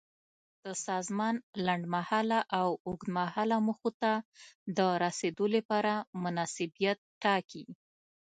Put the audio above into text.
د سازمان لنډمهاله او اوږدمهاله موخو ته د رسیدو لپاره مناسبیت ټاکي.